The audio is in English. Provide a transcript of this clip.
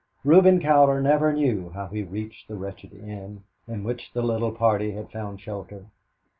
Reuben Cowder never knew how he reached the wretched inn in which the little party had found shelter.